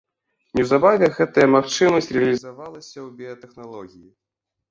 Неўзабаве гэтая магчымасць рэалізавалася ў біятэхналогіі.